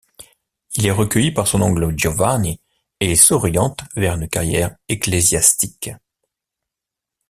Il est recueilli par son oncle Giovanni et il s'oriente vers une carrière ecclésiastique.